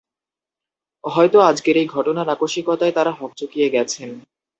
হয়তো আজকের এই ঘটনার আকস্মিকতায় তাঁরা হকচকিয়ে গেছেন।